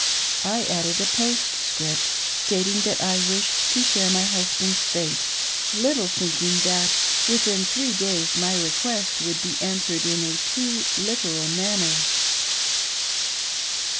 I added a postscript, stating that I wished to share my husband's fate — little thinking that within three days rny request would be answered in a too literal manner.